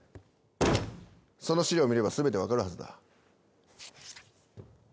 その資料を見れば全て分かるはずだ。